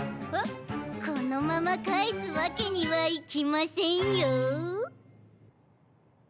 このまま帰すわけにはいきませんよ？